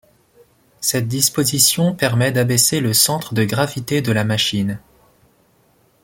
Cette disposition permet d'abaisser le centre de gravité de la machine.